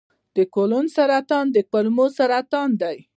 د کولون سرطان د کولمو سرطان دی.